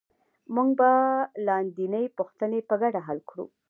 موږ به لاندینۍ پوښتنې په ګډه حل کړو